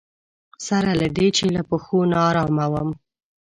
سره له دې چې له پښو ناارامه وم.